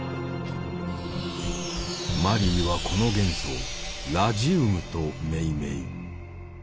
マリーはこの元素を「ラジウム」と命名。